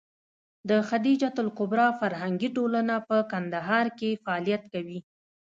د خدېجه الکبرا فرهنګي ټولنه په کندهار کې فعالیت کوي.